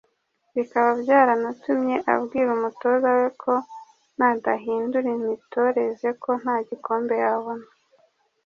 bikaba byaranatumye abwira umutoza we ko nadahindura imitoreze ko nta gikombe yabona